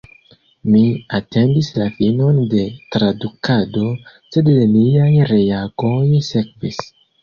Mi atendis la finon de tradukado – sed neniaj reagoj sekvis.